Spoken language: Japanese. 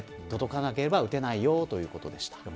届かなければ打てないよということでした。